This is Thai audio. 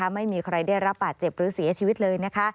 ไม่มีใครได้รับบาดเจ็บหรือเสียชีวิตเลยนะคะ